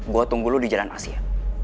gue tunggu lo di jalan masih ya